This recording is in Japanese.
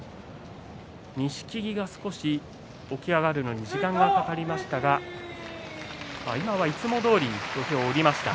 錦木が少し起き上がるのに時間がかかりましたが今はいつもどおり土俵を下りました。